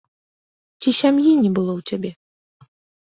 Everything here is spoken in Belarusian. Ці сям'і не было ў цябе?